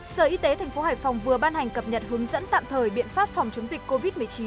sở y tế tp hải phòng vừa ban hành cập nhật hướng dẫn tạm thời biện pháp phòng chống dịch covid một mươi chín